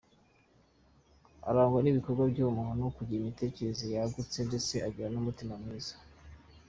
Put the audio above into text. Arangwa n’ibikorwa by’ubumuntu, kugira imitekerereze yagutse ndetse agira n’umutima mwiza.